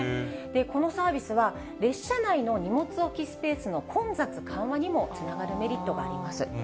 このサービスは、列車内の荷物置きスペースの混雑緩和にもつながるメリットがあります。